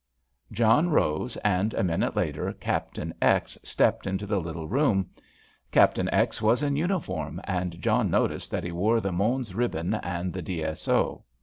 John rose, and a minute later Captain X. stepped into the little room. Captain X. was in uniform, and John noticed that he wore the Mons ribbon and the D.S.O.